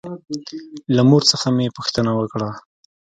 له مور څخه مې پوښتنه وکړه.